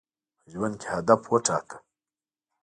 په ژوند کي هدف وټاکه.